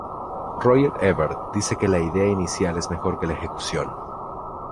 Roger Ebert dice que la idea inicial es mejor que la ejecución.